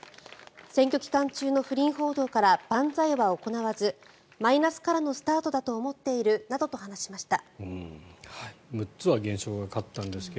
選挙期間中の不倫報道から万歳は行わずマイナスからのスタートだと思っているなどと話しました。